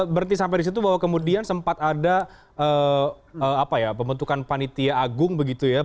berarti sampai disitu bahwa kemudian sempat ada pemutukan panitia agung begitu ya